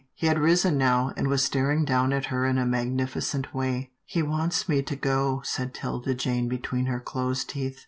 He had risen now, and was staring down at her in a magnificent way. " He wants me to go," said 'Tilda Jane between her closed teeth.